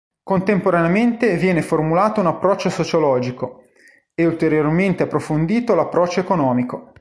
Contemporaneamente viene formulato un approccio sociologico, e ulteriormente approfondito l'approccio economico.